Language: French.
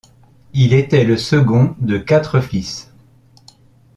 Il était le second de quatre fils.